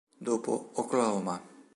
Dopo "Oklahoma!